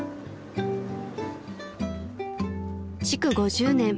［築５０年